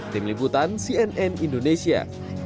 tim liputan cnn indonesia